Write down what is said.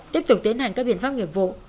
tiếp tục tiến hành các biện pháp nhiệm vụ